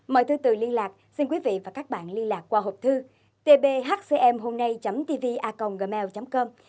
mời thư tử liên lạc xin quý vị và các bạn liên lạc qua hộp thư tbhcmhungnay tvacomgmail com